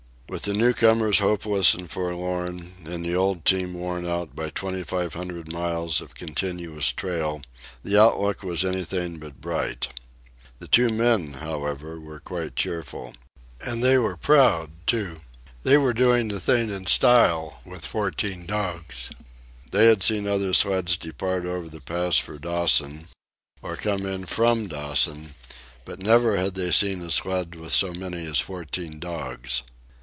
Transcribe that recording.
With the newcomers hopeless and forlorn, and the old team worn out by twenty five hundred miles of continuous trail, the outlook was anything but bright. The two men, however, were quite cheerful. And they were proud, too. They were doing the thing in style, with fourteen dogs. They had seen other sleds depart over the Pass for Dawson, or come in from Dawson, but never had they seen a sled with so many as fourteen dogs.